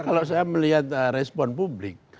kalau saya melihat respon publik